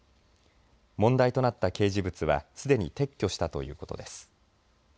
問題となった掲示物は、すでに撤去したということです。